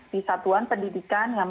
di satuan pendidikan yang